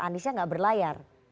aniesnya gak berlayar